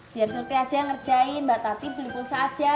biar surti aja ngerjain mbak tapi beli pulsa aja